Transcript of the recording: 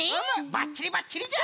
ばっちりばっちりじゃ！